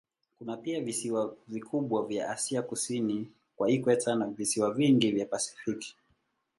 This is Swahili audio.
Kuna pia visiwa vikubwa vya Asia kusini kwa ikweta na visiwa vingi vya Pasifiki.